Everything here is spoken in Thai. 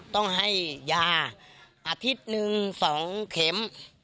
ต้องให้ยาอาทิตย์หนึ่ง๒เข็ม